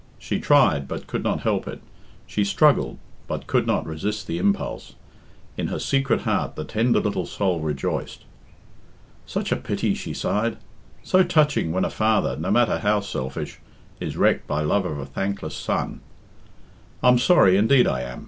She tried, but could not help it; she struggled, but could not resist the impulse in her secret heart the tender little soul rejoiced. "Such a pity," she sighed. "So touching when a father no matter how selfish is wrecked by love of a thankless son. I'm sorry, indeed I am.